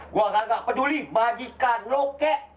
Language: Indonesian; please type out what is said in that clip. gua gak peduli majikan lu kek